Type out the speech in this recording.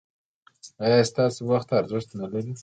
ایا ستاسو وخت ارزښت نلري؟